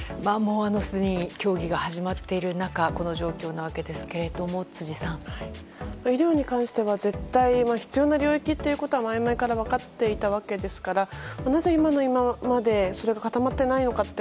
競技が始まっている中この状況ですが医療に関しては絶対に必要な領域というのは前々から分かっていたわけですからなぜ今の今までそれが固まっていないのか